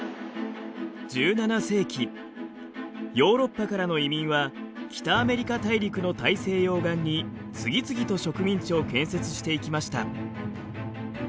１７世紀ヨーロッパからの移民は北アメリカ大陸の大西洋岸に次々と植民地を建設していきました。